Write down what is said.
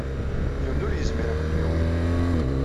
Yiwen ur yezmir ad ken-yawey.